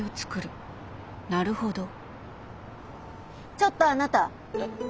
ちょっとあなた。